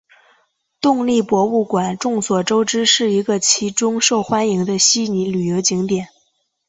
动力博物馆众所周知是其中一个受欢迎的悉尼旅游景点。